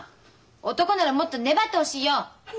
男ならもっと粘ってほしいよ。